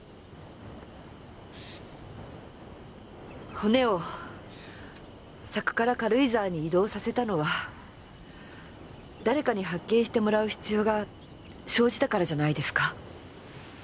骨を佐久から軽井沢に移動させたのは誰かに発見してもらう必要が生じたからじゃないですか？